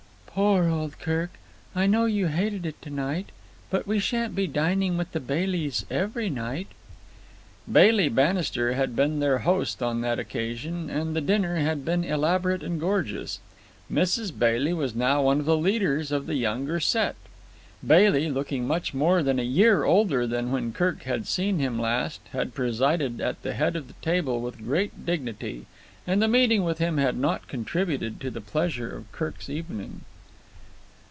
"Poor old Kirk. I know you hated it to night. But we shan't be dining with the Baileys every night." Bailey Bannister had been their host on that occasion, and the dinner had been elaborate and gorgeous. Mrs. Bailey was now one of the leaders of the younger set. Bailey, looking much more than a year older than when Kirk had seen him last, had presided at the head of the table with great dignity, and the meeting with him had not contributed to the pleasure of Kirk's evening.